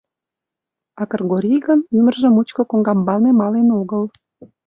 А Кыргорий гын ӱмыржӧ мучко коҥгамбалне мален огыл.